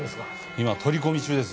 今取り込み中です